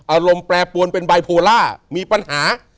อารมณ์แปรปวนเป็นบายโพล่ามีปัญหา